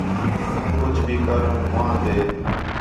کُج بھی کر ہوآں تے